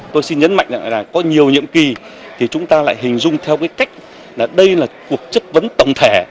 tôi xin nhấn mạnh là có nhiều nhiệm kỳ thì chúng ta lại hình dung theo cái cách là đây là cuộc chất vấn tổng thể